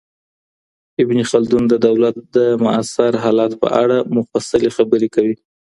ابن خلدون د دولت د معاصر حالت په اړه مفصلي خبري کوي.